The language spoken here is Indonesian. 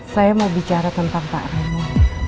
saya mau bicara tentang pak remo